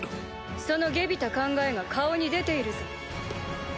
その下卑た考えが顔に出ているぞ。